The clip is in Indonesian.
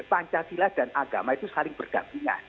pancasila dan agama itu saling berdampingan